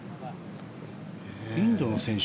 インドの選手